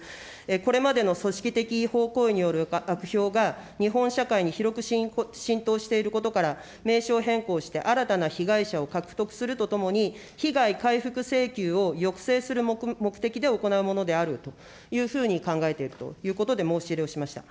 これまでの組織的違法行為による悪評が、日本社会に広く浸透していることから、名称変更して、新たな被害者を獲得するとともに、被害回復請求を抑制する目的で行うものであると考えているということで、申し入れをしました。